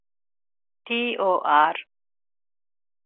ޓީ.އޯ.އާރް.